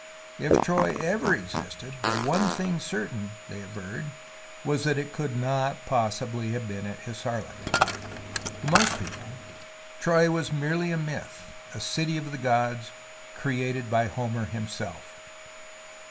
If Troy ever existed, the one thing certain, they averred, was that it could not possibly have been at HissarHk. To most people Troy was merely a myth, a city of the gods created by Homer himself.